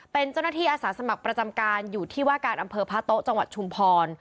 เป็นเจ้าหน้าที่อาสาสมัครประจำการอยู่ที่ว่าการอำเภอพระโต๊ะจังหวัดชุมพร